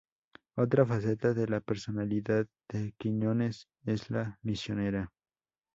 Otra faceta de la personalidad de Quiñones es la misionera.